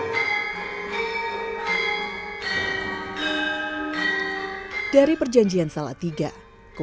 department permanian balik selatan selalu mulukkan pemicatingan anggun